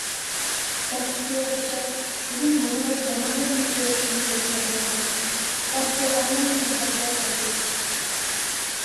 بەختكە يارىشا، بۈگۈن مۇبارەك جاماللىرىنى كۆرۈشكە مۇيەسسەر بولدۇم، ئارزۇ - ئارمانلىرىم بەجا كەلدى.